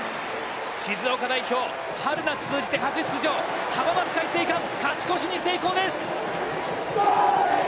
静岡代表、春夏通じて初出場、浜松開誠館、勝ち越しに成功です。